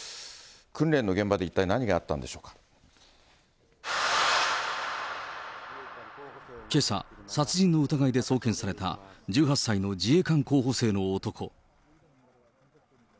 訓練の現場で一体何があったのでけさ、殺人の疑いで送検された、１８歳の自衛官候補生の男。